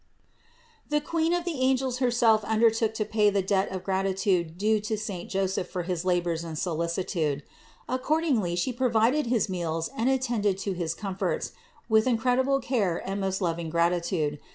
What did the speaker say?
The Queen of the angels herself undertook to pay the debt of gratitude due to saint Joseph for his labors and solicitude. Accordingly She provided his meals and attended to his comforts with incredible care and most loving gratitude.